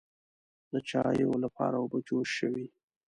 د چایو لپاره اوبه جوش شوې.